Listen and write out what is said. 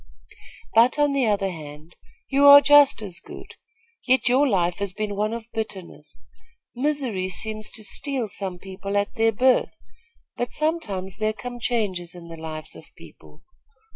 "But, on the other hand, you are just as good; yet your life has been one of bitterness. Misery seems to steal some people at their birth; but sometimes there come changes in the lives of people.